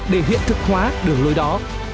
để hiện thực hóa đường lối đó